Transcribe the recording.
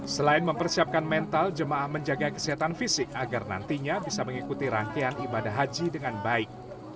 selain mempersiapkan mental jemaah menjaga kesehatan fisik agar nantinya bisa mengikuti rangkaian ibadah haji dengan baik